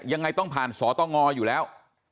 ยังไงต้องผ่านสตงอยู่แล้ว